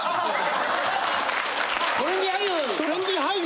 トレンディー俳優。